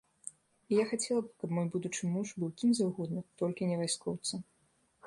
І я хацела б, каб мой будучы муж быў кім заўгодна, толькі не вайскоўцам.